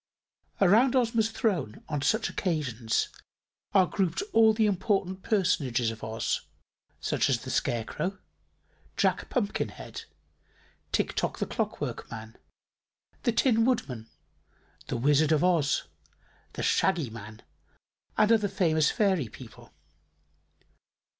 Around Ozma's throne, on such occasions, are grouped all the important personages of Oz, such as the Scarecrow, Jack Pumpkinhead, Tiktok the Clockwork Man, the Tin Woodman, the Wizard of Oz, the Shaggy Man and other famous fairy people.